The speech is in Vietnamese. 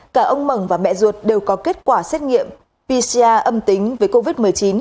cả ông mẩn và mẹ ruột đều có kết quả xét nghiệm pcr âm tính với covid một mươi chín